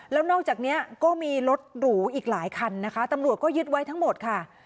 แล้วนอกจากนี้ก็มีรถหรูอีกหลายคันนะคะตำรวจก็ยึดไว้ทั้งหมดค่ะ